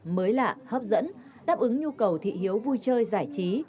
mới lạ hấp dẫn đáp ứng nhu cầu thị hiếu vui chơi giải trí